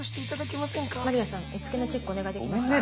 丸谷さん絵つけのチェックお願いできますか？